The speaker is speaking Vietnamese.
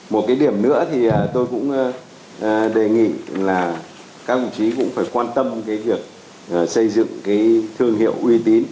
một cái điểm nữa thì tôi cũng đề nghị là các đồng chí cũng phải quan tâm cái việc xây dựng cái thương hiệu uy tín